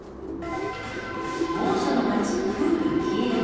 猛暑の町、プール消える。